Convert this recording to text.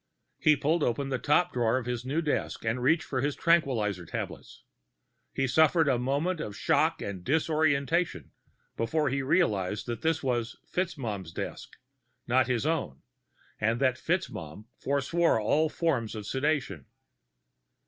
He pulled open the top drawer of his new desk and reached for his tranquilizer tablets. He suffered a moment of shock and disorientation before he realized that this was FitzMaugham's desk, not his own, and that FitzMaugham forswore all forms of sedation.